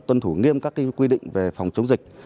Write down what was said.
tuân thủ nghiêm các quy định về phòng chống dịch